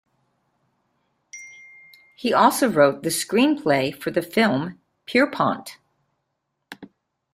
He also wrote the screenplay for the film "Pierrepoint".